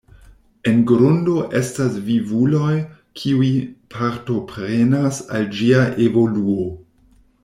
En grundo estas vivuloj, kiuj partoprenas al ĝia evoluo.